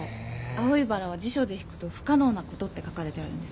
青いバラは辞書で引くと「不可能なこと」って書かれてあるんです